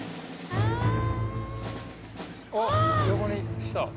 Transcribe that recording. おっ横にした。